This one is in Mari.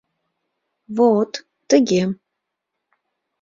Во-от, тыге.